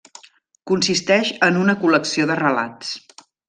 Consisteix en una col·lecció de relats.